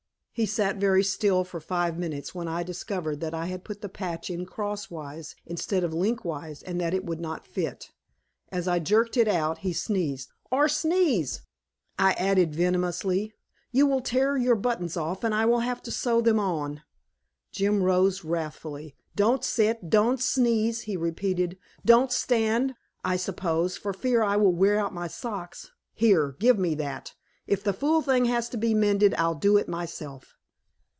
He sat very still for five minutes, when I discovered that I had put the patch in crosswise instead of lengthwise and that it would not fit. As I jerked it out he sneezed. "Or sneeze," I added venomously. "You will tear your buttons off, and I will have to sew them on." Jim rose wrathfully. "Don't sit, don't sneeze," he repeated. "Don't stand, I suppose, for fear I will wear out my socks. Here, give me that. If the fool thing has to be mended, I'll do it myself."